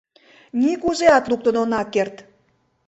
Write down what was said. Нигузеат луктын она керт!